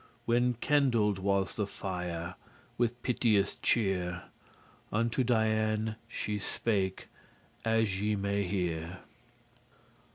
When kindled was the fire, with piteous cheer Unto Dian she spake as ye may hear.